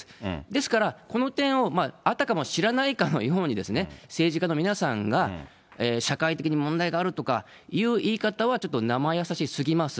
ですから、この点をあたかも知らないかのように、政治家の皆さんが、社会的に問題があるとかいう言い方はちょっと生易しすぎます。